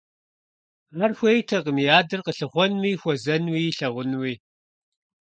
Ар хуейтэкъым и адэр къилъыхъуэнуи, хуэзэнуи, илъэгъунуи.